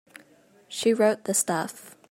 She wrote the stuff.